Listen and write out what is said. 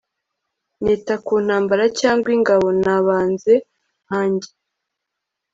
nita ku ntambara cyangwa ingabo? 'nabanze, nkanjye